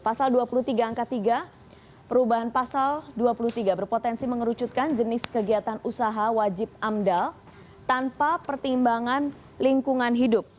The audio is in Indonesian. pasal dua puluh tiga angka tiga perubahan pasal dua puluh tiga berpotensi mengerucutkan jenis kegiatan usaha wajib amdal tanpa pertimbangan lingkungan hidup